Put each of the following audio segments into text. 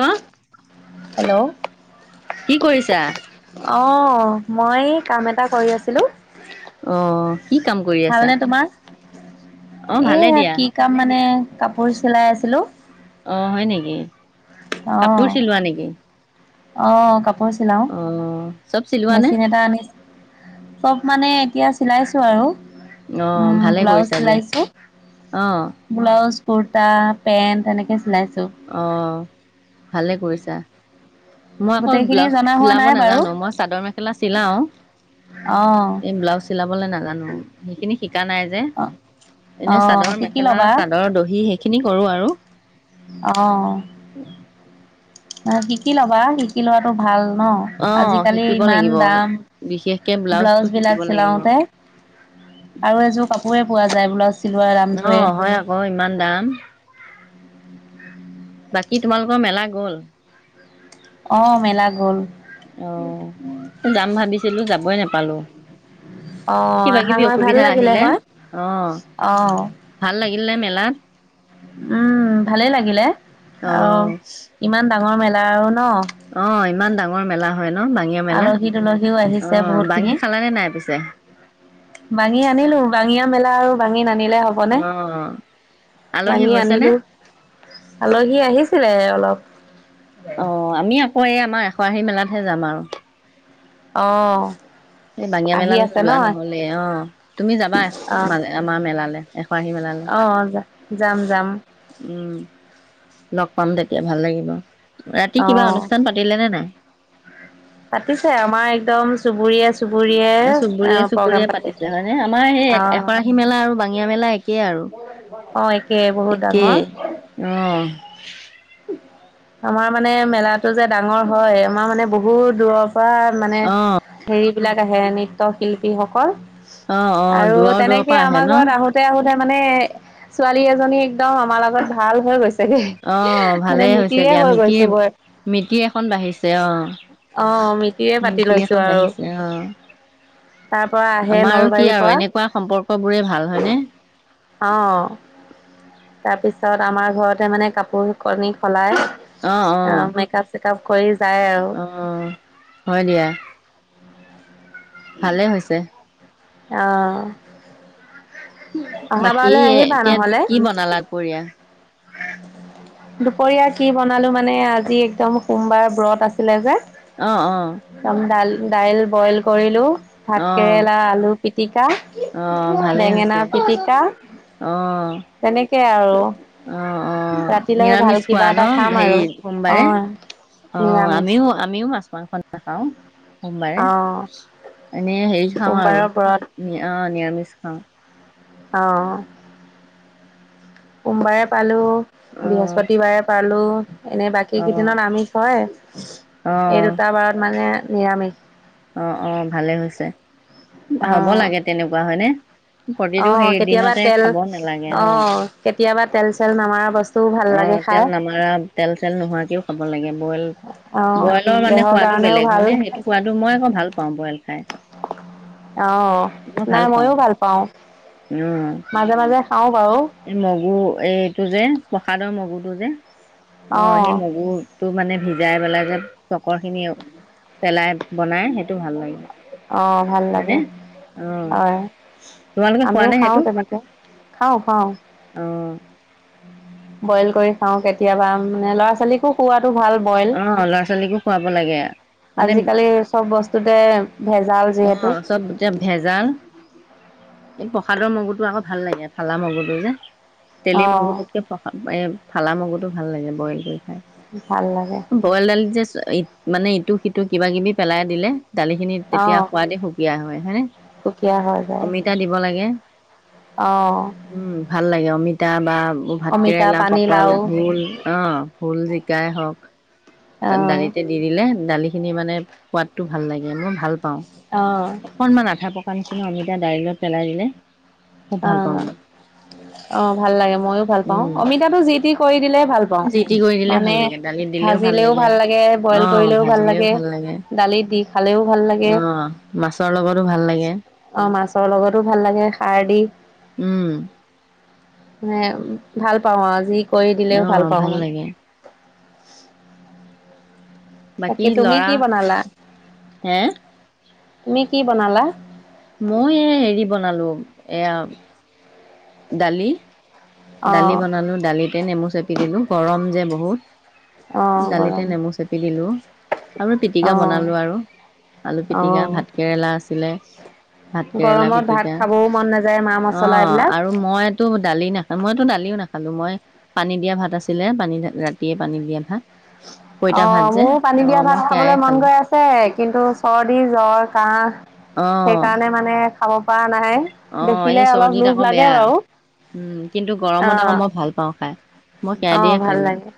অহ hello কি কৰিছা? অ মই কাম এটা কৰি আছিলো। অ কি কাম কৰি আছা। অ' ভালে এয়া দিয়া। কি কাম? মানে কাপোৰ চিলাই আছিলো। অ হয় নেকি, অ'। কাপোৰ চিলোৱা নেকি। অ কাপো কাপোৰ চিলাওঁ অ' চব চিলোৱা নে? মেচিন এটা আনিচে চব মানে, এতিয়া চিলাইছো আৰু অ' উম, ভালে ব্লাউজ কৰিছা দিয়া। চিলাইছো অ' ব্লাউজ কুৰ্তা পেণ্ট এনেকে চিলাইছো। অ ভালে কৰিছা। মই আকৌ গোটেইখিনি ব্লাউজ জনা হোৱা চিলাব নাই বাৰু নাজানো মই চাদৰ মেখেলা চিলাওঁ অ', এই ব্লাউজ চিলাবলৈ নাজানো সেইখিনি শিকা নাই। অ', অ এনে চাদৰ শিকি মেখেলা ল'বা। চাদৰ দহি সেইখিনি কৰো। আৰু অ শিকি লবা শিকি লোৱাটো ভাল। ন অ' আজিকালি শিকিব ইমান লাগিব। দাম বিশেষকে ব্লাউজটো ব্লাউজ শিকিব বিলাক লাগিব। চিলাওঁতে আৰু এযোৰ কাপোৰ কোৱে পোৱা যায়, ব্লাউজ। চিলোৱা অ দামটোৱে হয় ক ইমান দাম। বাকী তোমালোকৰ মেলা গ'ল, অ', মেলা' গ'ল। আহ, যাম ভাবিছিলো যাবই নাপালো। অ কিবা আহা কিবি হয় ভাল অসুবিধা লাগিলে আহিলে হয়। আহ অ', ভাল লাগিল নে মেলাত? উম', ভালেই লাগিলে অ আহ', ইমান ইমান ডাঙৰ মেলা আৰু ন। অ', ইমান ডাঙৰ মেলা। হয় ন বাঙীয়া মেলা আলহী তুলসীও অ আহিছে বহুত বাঙি খিনি। খালানে নাই পিছে বাঙি আনিলো বাঙিয় মেলা আৰু বাঙী [unintelligible] নিলে হবনে অ আলহী বাঙী হৈছেনে আনিলো আলহী আহিছিলে। অ', অলপ অ', আমি অ', এই আমাৰ এশ আশী মেলাতহে যাম আৰু। আহ', এই বাঙিয় মেলালৈ লোৱা নহলে অ তুমি যাবা এ ম অ', আমাৰ মেলালৈ এখৰাহী মেলালৈ। অ', যাম যাম উম', লগ পাম তেতিয়া ভাল লাগিব। ৰাতি কিবা অ'। অনুষ্ঠান পাতিলে নে নাই? পাতিছে আমাৰ একদম চুবুৰীয়া আ', চুবুৰীয়ে চুবুৰীয়ে পাতিছিলে হয়ে আমাৰ সেই অ', এশৰাশী মেলা আৰু বাঙিয়া মেলা এক তাকেই আৰু। অ', একে বহুত ডাঙৰ। একেই, আহ', আমাৰ মানে মেলাটো যে ডাঙৰ হয় আমাৰ মানে বহুত দূৰ পৰা মানে অ', হেৰি বিলাক আহে নৃত্ৰ শিল্পীসকল। অ', অ', আৰু দূৰৰ দূৰৰ পৰা তেনেকে আহে আমাৰ ন ঘৰত আহোতে-আহোতে, মানে ছোৱালী এজনী একদম আমাৰ লগত ভাল হৈ গৈছে। তাকে অ', ভালেই হৈছে দিয়া মিতিৰ মিতি এখন বাঢ়িছে। অ', অ', মিতিৰে পাতি মিতিৰ লৈছো এখন আৰু বাঢ়িছে। অ', তাৰ পৰা আহে আমাৰ কি নলবাৰীৰ আৰু পৰা। এনেকুৱা সম্পৰ্ক বোৰে ভাল হয়নে? অ', তাৰপিছত আমাৰ ঘৰতে মানে কাপোৰ কানি সলাই অ', মেকাপ চেকাপ কৰি যায় আৰু। অ', হয় দিয়া। ভালে হৈছে। আহ, বাকী এতিয়া নহ'লে। কি বনালা দুপৰীয়া দুপৰীয়া কি বনালো মানে আজি একদম সোমবাৰ ব্ৰত আছিলে যে। অঁ', - অঁ', একদম দাল দাইল বইল কৰিলোঁ। ভাত অ', কেৰেলা আলু পিতি আহ অ', ', ভালেই বেঙেনা হৈছে পিটিকা অ', তেনেকে তাকে আৰু? অ', - অ', ৰাতিলৈ ভাল নিৰামিষ খোৱা কিবা ন এটা খাম হেৰি আৰু। সোমবাৰে, অ', অ', নিৰামিষ আমিও -আমিও মাছো মাংস নেখাওঁ সোমবাৰে অ', এনেই হেৰি খাওঁ আৰু সোমবাৰৰ ব্ৰত। নিৰামিষ খাওঁ। অহ', সোমবাৰে পালো। অ', বৃহস্পতিবাৰে পালো। এনে বাকী অ', কেইদিনত আমিষ হয়, এই অ', দুটা বাৰত মানে নিৰামিষ অ', অ, ভালে হৈছে। হ'ব অ', লাগে তেনেকুৱা হয় নে? অ', কেতিয়াবা তেল অ', কেতিয়াবা তেল চেল নামাৰা বস্তু অ', তেল নামাৰা তেল চেল নোহোৱাকেও খাব লাগে বহুত বয়েল অ', বয়েলৰ মানে দেহৰ সোৱাদো কাৰণেও বেলেগ ভাল হয়নে সেইটো সোৱাদো মই আক ভাল পাওঁ বইল খাই অ', মই নাই ভাল ময়ো পাওঁ। অ'। মাজে -মাজে খাওঁ বাৰ এই মগু এইটো যে প্ৰসাদৰ মগোতো যে? অ', সেই মগুৰ টো মানে ভিজাই পেলাই যে চকৰ খিনি পেলাই বনাই সেইটো ভাল লাগে। অ', ভাল হয়নে লাগে অঁ হয়, তোমালোকে খোৱা আমিও খাও তেনেকে খাও- খাও। আহ', বইল কৰি খাও কেতিয়াবা মানে ল'ৰা ছোৱালীকো কোৱাত টো ভাল বইল, অঁ ল'ৰা ছোৱালীকো খুৱাব লাগে আজিকালি চব বস্তুতে ভেজাল যিহেতু আহ', চব এতিয়া ভেজাল এই প্ৰসাদৰ মগুটো আকৌ ভাল লাগে। ফালা মগুটো যে। তেলি মগু অ', দুকে ফালা মগু টো ভাল লাগে বইল কৰি। খাই ভাল লাগে। ই মানে ইটো সিটো কিবা কিবি পেলাই দিলে, দালিখিনি। তেতিয়া অ', সোৱাদে সুকীয়া হয়, হয়নে? সুকীয়া হৈ যায় অমিতা দিব লাগে। অহ উম', ভাল লাগে অমিত ক [unintelligible] ত বা ভাত অমিতা কেৰেলা, পটল, পানীলাও ভোল, অ ভোল জ গাই হওক। অহ দালিতে দি দিলে দালি খিনি মানে পোৱাতো ভাল লাগে মই ভাল পাওঁ। অহ অকনমান আধা পকা নিচিনা অমিতা দাইলত পেলাই দিলে খুব ভাল পাওঁ অ', মই অ ভাল লাগে মইয়ো ভাল পাওঁ। উম অমিতাটো যি টি কৰি দিলে ভাল পাওঁ, যি টি কৰি দিলে মানে ভাল লাগে দালিত দিলেও ভাজিলেও ভাল লাগে, বইল কৰিলেও ভাল লাগে দালিত দি খালেও ভাল লাগে অ', মাছৰ লগতো ভাল লাগে। ৰ লগতো ভাল লাগে, সাৰ দি উম', মানে ভাল পাওঁ আৰু যি কৰি অ দিলেও ভাল পাওঁ মানে। লাগে বাকী তাকে তুমি লৰা কি বনালা? হে তুমি কি বনালা? মই এ হেৰি বনালো এয়া দালি। দালি অহ বনালো, দালিতে নেমু চেপি পি দিলো গৰম যে বহুত। অহ দালিতে গৰম নেমু চেপি দিলোঁ, আৰু পিটিকা অহ বনালো আৰু। আলু পিতিকা অহ ভাতকেৰেলা আছিলে। ভাত কেৰেলা গৰমত ভাত পিতিকা। খাবও মন নাযায় মা মছলা অ', এইবিলাক আৰু মইতটো দালি নাখা মইতো দালিও নাখালোঁ। মই, পানী দিয়া ভাত আছিলে পানী ৰাতিয়ে পানী দিয়া ভাত। পইতা ভাত অ', যে মোৰো পানী অঁ দিয়া ভাত মই খাবলৈ সেয়াই মন খালোঁ গৈ আছে, কিন্তু চৰ্দি জ্বৰ কাঁহ। সেইকাৰণে মানে অ', পাৰা অ', এই চৰ্দিত আকৌ বেয়া। বাৰু উম, কিন্তু গৰমত আকৌ মই ভাল পাওঁ খাই। অ', ভাল লাগে।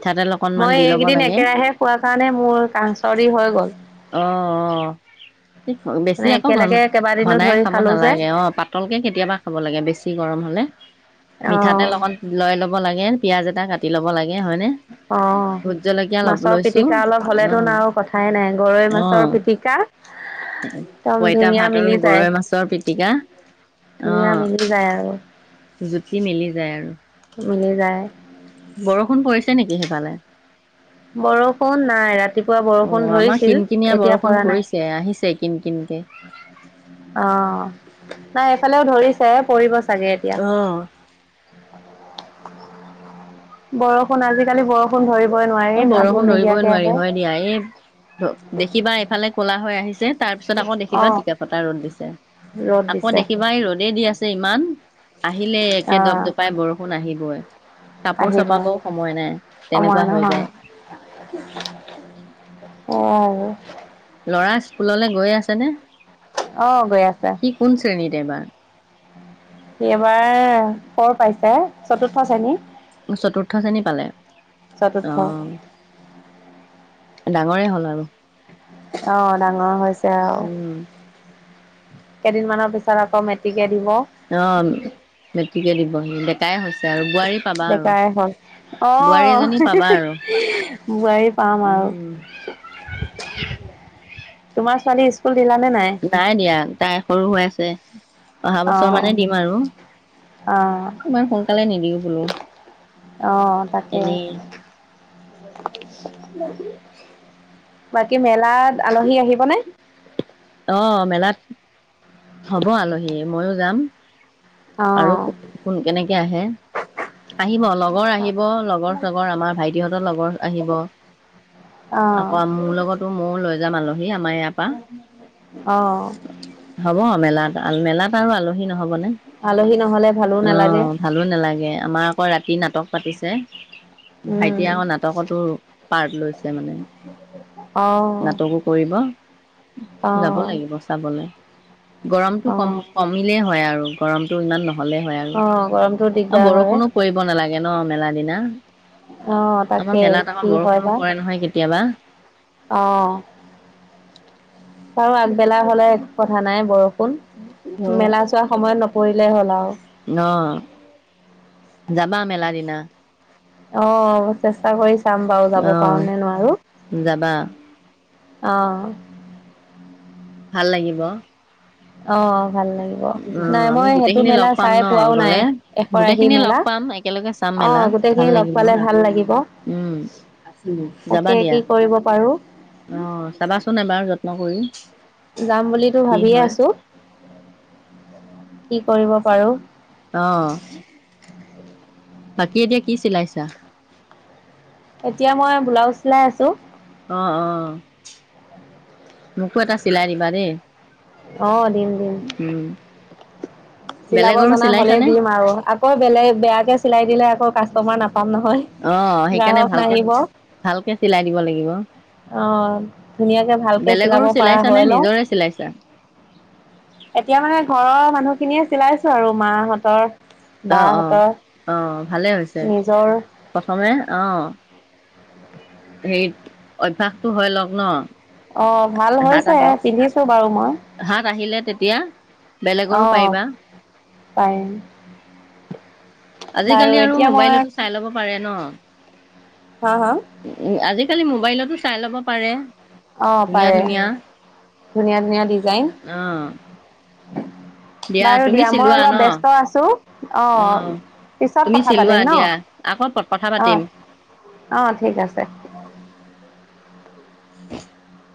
াদ [unintelligible] মই এইকেইদিন একেৰাহে খোৱাৰ কাৰণে মোৰ কাহ-চৰ্দি হৈ গল। অঁ অঁ মানে একেলগে কেইবাদিনো ধৰি খালো যে। গে অ', পাতল কে কেতিয়াবা খাব লাগে বেছি গৰম হলে। অঁ মিঠাতেল অকণ লৈ ল'ব লাগে। পিয়াজ এটা কাটি লব লাগে। হয়নে অ', ভোট জলকীয়া লব মাছৰ লৈছো পিটকা অলপ অ হ'লেতোন আৰু কথাই নাই। গৰৈ অ মাছৰ পিতিকা, একদম ধুনীয়া মিলি যায়। পিতিকা। ধুনীয়া আহ, মিলি যায় আৰু জুতি মিলি যায় আৰু। মিলি যায়। পালে বৰষুণ নাই, ৰাতিপুৱা অ বৰষুণ আমাৰ ধৰিছিল কিন কিনিয়া এতিয়া বৰষুণ পৰা নাই। পৰিছে আহিছে কিন কিনকে আহ, নাই এফালেও ধৰিছে, পৰিব ছা চাগে এতিয়া। অ উ [unintelligible] বৰষুণ আজি-কালিৰ বৰষুণ ধৰি অ', বৰষুণ ধৰিবই নোৱাৰি হয় দিয়া, এই দেখিবা এইফালে কলা হৈ আহিছে তাৰ পিছত আকৌ অ দেখিবা টিক ফতা ৰ'দ দিছে, ৰ'দ আকৌ দিছে দেখিবা এই ৰ'দেই দি আছে ছে ইমান আহিলে অ একে ডপ-ডপাই বৰষুণ আহিবই, কাপোৰ আহিব চপাবও সময় নাই তেনেকুৱা সময় হয়। নহয় যে' এ ল'ৰা স্কুললৈ গৈ আছেনে? অ গৈ আছে সি কোন শ্ৰেণীত এবাৰ? এইবাৰ কৰ পাইছে চতুৰ্থ শ্ৰেণী। চতুৰ্থ শ্ৰেণী পালে। চতুৰ্থ আহ ডাঙৰে হ'ল আৰু। আহ উম, কেইদিনমানৰ পিছত আকৌ মেটিকে অ মেট্ৰিকে দিব। বহি ডেকাই হৈছে আৰু। বোৱাৰী পাবা আৰু ডেকায়ে হল। অ বোৱাৰী এজনী পাবা আৰু। বোৱাৰী পাম আৰু উম, তোমাৰ ছোৱালী স্কুল দিলানে নাই দিয়া তাই সৰু হৈ আছে অহা বছৰ অ', মানে দিম আৰু অ', ইমান সোনকালে নিদিও বোলো অ তাকে এনেই বাকী মেলাত আলহী আহিবনে আহ মেলাত হ'ব আলহীয়ে ময়ো জাম আৰু অ', কোন কেনেকে আহে আহিব লগৰ আহিব লগৰ চগৰ আমাৰ ভাইটিহঁতৰ লগৰ আহিব অ', আকৌ মোৰ লগতো ময়ও লৈ যাম আলহি এ আমাৰ ইয়া পা অ', হব মেলাত মেলাত আৰু আলহী নহব অ আলহী নহ'লে ভালো নালাগে। ভালো নালাগে আমাৰ আকৌ ৰাতি নাটক পাতিছে উম, ভাইটিয়ে আকৌ নাটকতো পাৰ্ট লৈছে মানে অ', নাটকো কৰিব যাব অ', লাগিব চাবলৈ গৰমতটো কম অ', কমিলে হয় আৰু গৰমটো ইমান নহয় নহলে হয় আৰু অ', গৰমটো আৰু দিগদাৰ হয়। বৰষুণো পৰিব নালাগে ন মেলা দিনা অ', আমাৰ তাকে মেলাত আমাৰ বৰষুণো পৰে নহয় কেতিয়াবা আহ আৰু আগবেলা হলে একো কথা নাই বৰষুণ অ মেলা চোৱা সময়ত নপৰিলেই হ'ল আৰু অ যাবা মেলা দিনা অ চেষ্টা কৰিছো চাম বাৰু যাব অ পাৰ নে নোৱাৰো যাবা অ ভাল লাগিব অ ভাল লাগিব, অ নাই আমি মই সেইটো গোটেইখিনি মেলা লগ পাম চাই ন পোৱাও নাই গলে এশৰাশি গোটেইখিনিয়ে লগ মেলা। পাম একেলগে চাম মেলা অ', ভাল গোটেইখিনি লগ লাগিব পালে ভাল লাগিব, উম যাবা তাকে কি দিয়া কৰিব পাৰোঁ। ন কৰি যাম বুলিতো কি ভাবিয়ে হয় আছোঁ। কি কৰিব পাৰোঁ অহ। [unintelligible] বাকী এতিয়া কি চিলাইছা? এতিয়া মই ব্লাউজ চিলাই আছোঁ। অ', অ'। মোকো এটা চিলাই দিবা দেই। অ', দিম দিম উম। চিলাব বেলেগৰো জনা হ'লেই চিলাইছানে দিম আৰু আকৌ বেলেগ বেয়াকে চিলাই দিলে আকৌ কাচতমা না অ', সেইকাৰণে ভালকে, ভালকে চিলাই দিব লাগিব। অ', ধুনীয়াকে ভালকে চিলাব বেলেগৰো পাৰা চিলাইছানে হৈ লওঁ, নিজৰে চিলাইছা এতিয়া মানে ঘৰৰ মা মানুহখিনিয়ে চিলাইছো আৰু মাহঁতৰ। অহ, অ', বাহঁতৰ অহ। ভালেই হৈছে, নিজৰ প্ৰথমে অহ হেৰিত অভ্যয়াসটো হয় লওক ন। অ ভাল হাত হৈছে, আহক পিন্ধিছো বাৰু মই। হাত আহিলে তেতিয়া বেলেগৰো অহ। পাৰিবা পাৰিম। বাৰু আজিকালি আৰু এতিয়া মই মোবাইলতো চাই ল'ব পাৰে ন? হা, হা? আজিকালি মোবাইলতো চাই ল'ব পাৰে। অ ধুনীয়া পাৰে, ধুনীয়া ধুনীয়া ধুনীয়া ডিজাইন। অ' [unintelligible] বাৰু তুমি দিয়া মই চিলোৱা ন অলপ ব্যস্ত আছোঁ, অ', পিছত তুমি কথা চিলোৱা পাতিম ন, দিয়া আকৌ কথা পাতিম অ', অ' ঠিক আছে। [unintelligible]